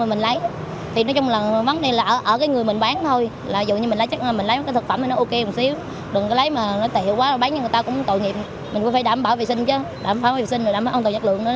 mình cũng phải đảm bảo vệ sinh chứ đảm bảo vệ sinh rồi đảm bảo an toàn nhật lượng nữa